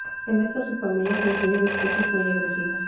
En esta subfamilia se incluyen especies muy agresivas.